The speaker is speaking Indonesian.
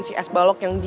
sampai jumpa lagi